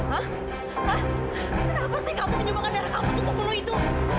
kenapa sih kamu menyumbangkan darah kamu ke pembunuh itu